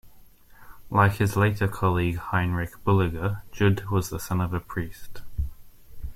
Like his later colleague Heinrich Bullinger, Jud was the son of a priest.